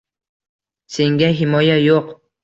Senga himoya yo’q